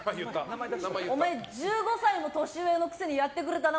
お前、１５歳も年上のくせにやってくれたな！